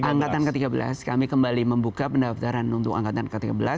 angkatan ke tiga belas kami kembali membuka pendaftaran untuk angkatan ke tiga belas